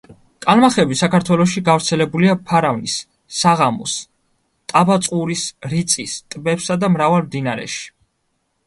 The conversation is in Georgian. კალმახები საქართველოში გავრცელებულია ფარავნის, საღამოს, ტაბაწყურის, რიწის ტბებსა და მრავალ მდინარეში.